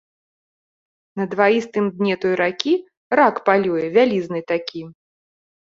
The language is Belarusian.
На дваістым дне той ракі рак палюе, вялізны такі.